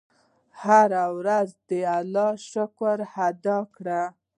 هره ورځ د الله شکر ادا کړه.